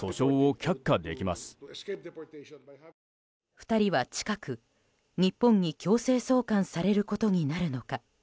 ２人は近く日本に強制送還されることになるのか。